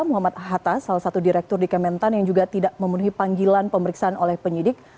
muhammad hatta salah satu direktur di kementan yang juga tidak memenuhi panggilan pemeriksaan oleh penyidik